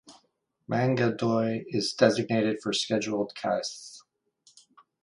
Mangaldoi is designated for scheduled castes.